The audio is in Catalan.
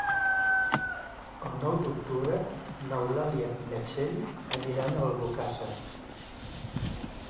El nou d'octubre n'Eulàlia i na Txell aniran a Albocàsser.